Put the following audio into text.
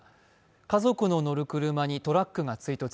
家族の乗る車にトラックが追突。